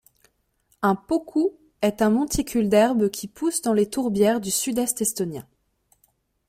Un poku est un monticule d'herbe qui pousse dans les tourbières du sud-est estonien.